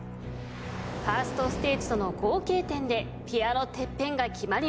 ファーストステージとの合計点でピアノＴＥＰＰＥＮが決まります。